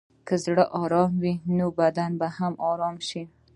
که زړه ارام وي، نو بدن به هم ارام شي.